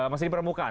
masih di permukaan